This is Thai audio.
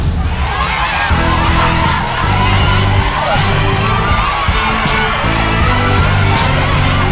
มีทั้งหมด๔จานแล้วนะครับ